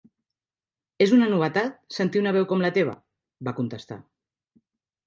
'És una novetat sentir una veu com la teva', va contestar.